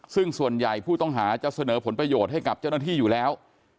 ซึ่งส่วนใหญ่ผู้ต้องหาจะเสนอผลประโยชน์ให้กับเจ้าหน้าที่อยู่แล้ว